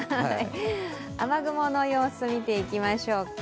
雨雲の様子、見ていきましょうか。